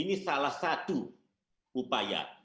ini salah satu upaya